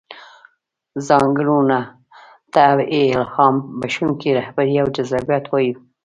ځانګړنو ته يې الهام بښونکې رهبري او جذابيت وايو.